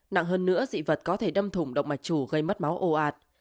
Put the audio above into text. nặng hơn nữa dị vật có thể đâm thủng động mạch chủ gây mất máu ồ ạt